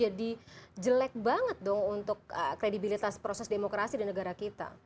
jadi masyarakat tersebut jadi jelek banget dong untuk kredibilitas proses demokrasi di negara kita